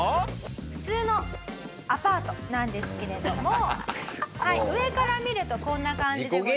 普通のアパートなんですけれども上から見るとこんな感じでございます。